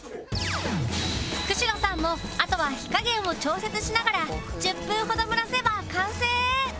久代さんもあとは火加減を調節しながら１０分ほど蒸らせば完成